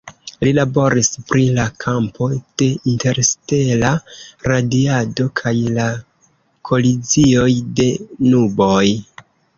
Li laboris pri la kampo de interstela radiado kaj la kolizioj de nuboj.